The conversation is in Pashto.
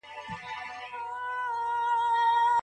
دورکهايم ټينګار کاوه چي ټولنپوهنه علم دی.